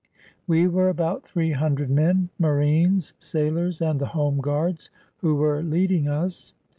We were about three hundred men, — marines, sailors, and the home guards, who were leading us.